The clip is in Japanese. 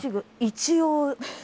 一応。